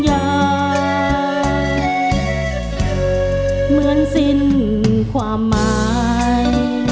เหมือนสิ้นความหมาย